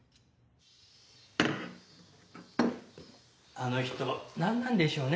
あの人なんなんでしょうね？